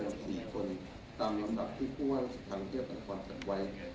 ไม่เกิน๔คนตามลำดับที่ผู้ว่ารัฐการเที่ยวบรรณครบันตรีจัดไว้